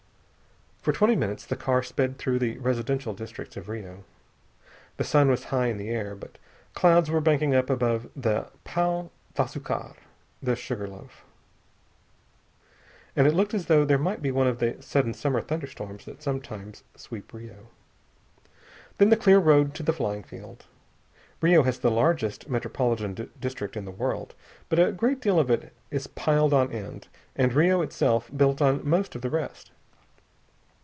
For twenty minutes the car sped through the residential districts of Rio. The sun was high in the air, but clouds were banking up above the Pao d'Assucar the Sugarloaf and it looked as if there might be one of the sudden summer thunderstorms that sometimes sweep Rio. Then the clear road to the flying field. Rio has the largest metropolitan district in the world, but a great deal of it is piled on end, and Rio itself built on most of the rest.